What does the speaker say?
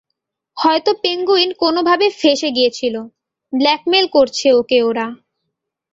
হয়তো পেঙ্গুইন কোনোভাবে ফেঁসে গিয়েছিল, ব্ল্যাকমেইল করেছে ওকে ওরা।